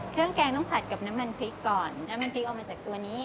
แกงต้องผัดกับน้ำมันพริกก่อนน้ำมันพริกออกมาจากตัวนี้